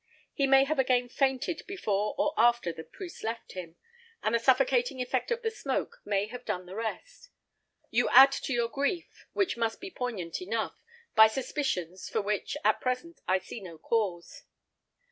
He may have again fainted before or after the priest left him, and the suffocating effect of the smoke may have done the rest. You add to your grief, which must be poignant enough, by suspicions, for which, at present, I see no cause."